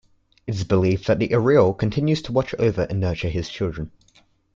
It is believed that Ereal continues to watch over and nurture his children.